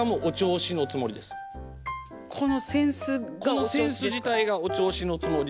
この扇子自体がお銚子のつもりで。